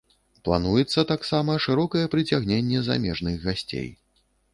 Плануецца таксама шырокае прыцягненне замежных гасцей.